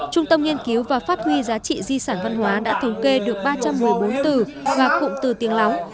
trung tâm nghiên cứu và phát huy giá trị di sản văn hóa đã thống kê được ba trăm một mươi bốn từ và cụm từ tiếng lóng